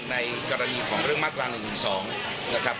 ในกรณีของเรื่องมาตรา๑๑๒นะครับ